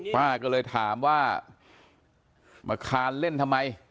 ป้าก็เลยถามว่ามาคานเล่นทำไม